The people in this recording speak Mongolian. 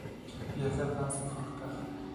Би ахиад ганц нэг хонох байх.